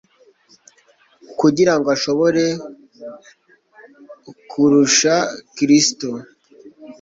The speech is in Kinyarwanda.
kugira ngo ashobore kuruesha Kristo.